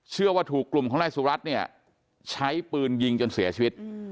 เชื่อว่าถูกกลุ่มของนายสุรัตน์เนี่ยใช้ปืนยิงจนเสียชีวิต